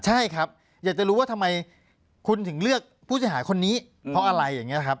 ใช่ครับอยากจะรู้ว่าทำไมคุณถึงเลือกผู้เสียหายคนนี้เพราะอะไรอย่างนี้ครับ